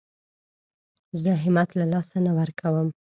زه همت له لاسه نه ورکوم.